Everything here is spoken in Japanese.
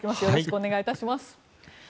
よろしくお願いします。